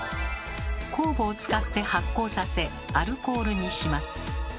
酵母を使って発酵させアルコールにします。